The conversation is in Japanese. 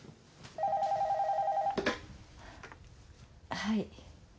☎はい。